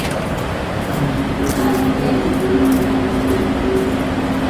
Soy sincero en lo referente a traer a nuestros chicos de vuelta a casa.